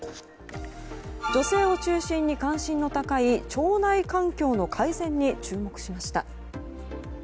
女性を中心に関心の高い腸内環境の改善に注目しました。